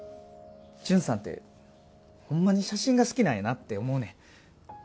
ジュンさんってホンマに写真が好きなんやなって思うねん